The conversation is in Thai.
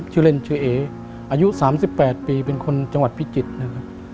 ชื่อเล่นชื่อเออายุ๓๘ปีเป็นคนจังหวัดพิจิตรนะครับ